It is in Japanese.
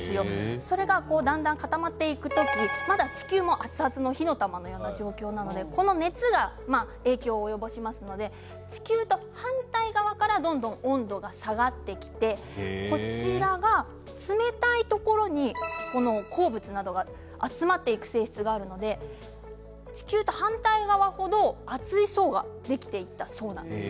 だんだん固まっていくと地球も熱々の火の玉の状況なのでその熱が影響を及ぼしますので地球が反対側からどんどん温度が下がっていって冷たいところに鉱物などが集まっていく性質があるので地球と反対側程厚い層ができていったそうなんです。